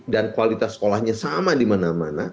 dan kualitas sekolahnya sama dimana mana